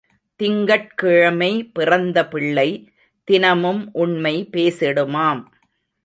திங்கட் கிழமை பிறந்த பிள்ளை தினமும் உண்மை பேசிடுமாம்.